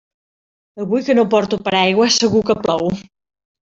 Avui que no porto paraigua segur que plou.